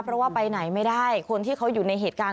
เพราะว่าไปไหนไม่ได้คนที่เขาอยู่ในเหตุการณ์